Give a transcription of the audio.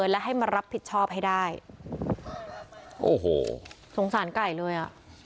และให้มารับผิดชอบให้ได้โอ้โหสงสารไก่เลยอ่ะ